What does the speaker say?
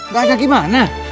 gak ada gimana